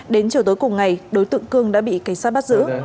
đến chiều tối cùng ngày đối tượng cương đã bị cảnh sát bắt giữ